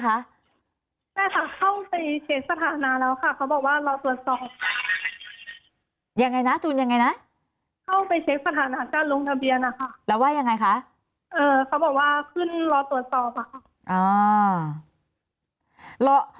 เข้าไปเช็คสถานะการลงทะเบียนอะค่ะแล้วว่ายังไงคะเอ่อเขาบอกว่าขึ้นรอตรวจสอบอะค่ะอ๋อ